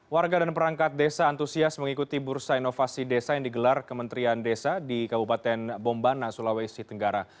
warga dan perangkat desa antusias mengikuti bursa inovasi desa yang digelar kementerian desa di kabupaten bombana sulawesi tenggara